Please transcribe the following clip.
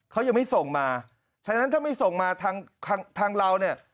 เขายังไม่ส่งมาฉะนั้นถ้าไม่ส่งมาทางทางเราเนี่ย